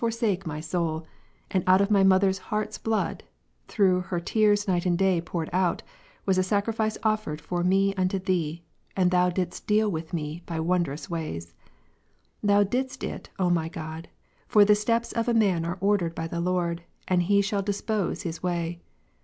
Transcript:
sake my soul; and out of my mother's heart's blood, through her tears night and day poured out, was a sacrifice offered Joel 2, for me unto Thee; and Thou didst deal with me by wondrous Ps* 37 ways. Thou didst it, O my God : for the steps of a man 23. ' are ordered hij the Lord, and He shall dispose his ivaij.